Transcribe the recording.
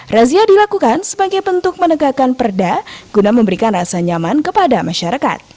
razia dilakukan sebagai bentuk menegakkan perda guna memberikan rasa nyaman kepada masyarakat